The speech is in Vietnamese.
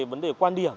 vấn đề quan điểm